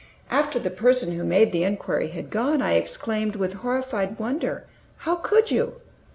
After the person who made the inquiry had gone, I exclaimed, with horrified wonder, "How could you?"